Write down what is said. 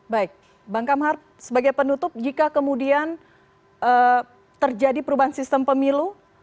baik bang kamhar sebagai penutup jika kemudian terjadi perubahan sistem pemilu